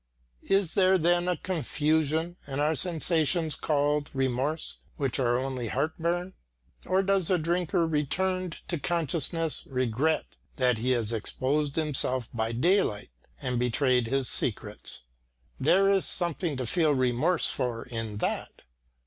Is there then a confusion, and are sensations called "remorse" which are only heart burn? Or does the drinker returned to consciousness regret that he has exposed himself by daylight and betrayed his secrets? There is something to feel remorse for in that!